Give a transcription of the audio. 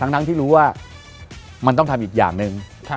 ทั้งที่รู้ว่ามันต้องทำอีกอย่างหนึ่ง